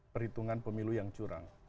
perhitungan pemilu yang curang